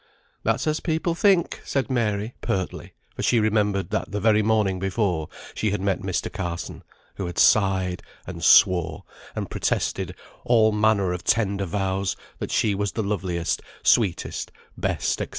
"That's as people think," said Mary, pertly, for she remembered that the very morning before she had met Mr. Carson, who had sighed, and swore, and protested all manner of tender vows that she was the loveliest, sweetest, best, &c.